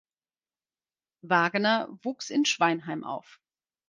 Wagener wuchs in Schweinheim auf.